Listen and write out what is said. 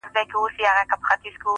هلته مي تیار جاینماز درته اچولی